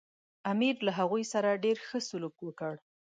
امیر له هغوی سره ډېر ښه سلوک وکړ.